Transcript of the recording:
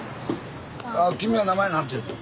君は名前何ていうの？